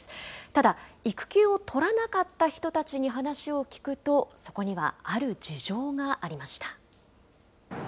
ただ、育休を取らなかった人たちに話を聞くと、そこにはある事情がありました。